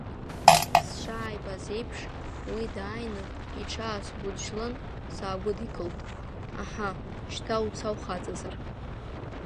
Сшааибаз еиԥш, уи дааины иҽаасгәыджьлан, саагәыдикылт, аҳа, шьҭа уца ухаҵазар!